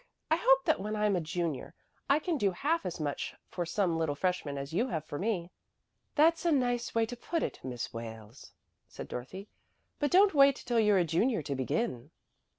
"I hope that when I'm a junior I can do half as much for some little freshman as you have for me." "That's a nice way to put it, Miss Wales," said Dorothy. "But don't wait till you're a junior to begin."